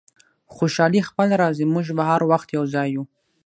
خوشحالي خپله راځي، موږ به هر وخت یو ځای یو.